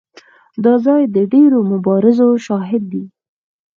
دا ځای د ډېرو مبارزو شاهد دی.